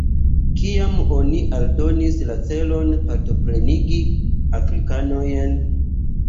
Kiam oni aldonis la celon partoprenigi afrikanojn?